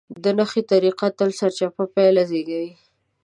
د نښتې طريقه تل سرچپه پايله زېږوي.